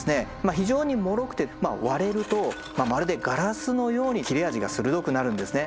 非常にもろくて割れるとまるでガラスのように切れ味が鋭くなるんですね。